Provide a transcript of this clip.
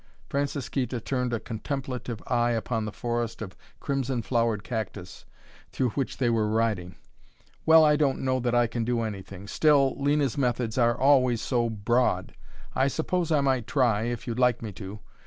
Francisquita turned a contemplative eye upon the forest of crimson flowered cactus through which they were riding. "Well, I don't know that I can do anything still, Lena's methods are always so broad! I suppose I might try, if you'd like me to.